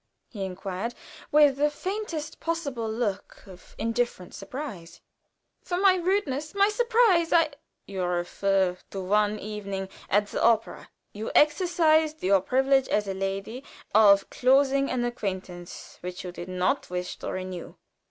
he inquired, with the faintest possible look of indifferent surprise. "For my rudeness my surprise I " "You refer to one evening at the opera. You exercised your privilege, as a lady, of closing an acquaintance which you did not wish to renew.